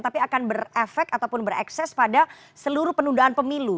tapi akan berefek ataupun berekses pada seluruh penundaan pemilu